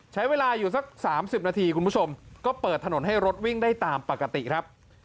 ใช้เวลาอยู่สัก๓๐นาทีคุณผู้ชมก็เปิดถนนให้รถวิ่งได้ตามปกติครับ